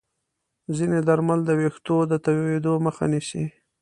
ځینې درمل د ویښتو د توییدو مخه نیسي.